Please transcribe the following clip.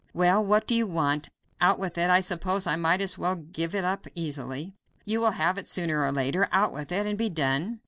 "Well, what do you want? Out with it. I suppose I might as well give it up easily, you will have it sooner or later. Out with it and be done."